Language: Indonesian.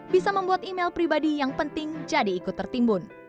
bisa membuat email pribadi yang penting jadi ikut tertimbun